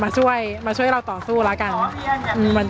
อย่างที่บอกไปว่าเรายังยึดในเรื่องของข้อ